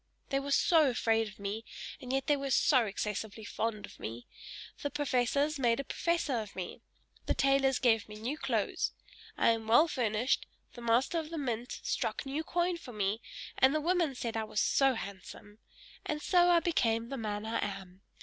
They were so afraid of me, and yet they were so excessively fond of me. The professors made a professor of me; the tailors gave me new clothes I am well furnished; the master of the mint struck new coin for me, and the women said I was so handsome! And so I became the man I am.